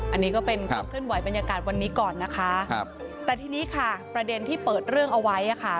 อันนี้ก็เป็นของขึ้นไหวบรรยากาศวันนี้ก่อนนะคะแต่ทีนี้ค่ะประเด็นที่เปิดเรื่องเอาไว้ค่ะ